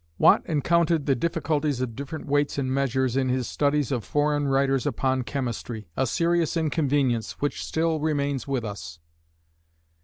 Watt encountered the difficulties of different weights and measures in his studies of foreign writers upon chemistry, a serious inconvenience which still remains with us.